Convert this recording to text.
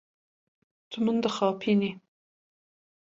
Tu min dixapînî.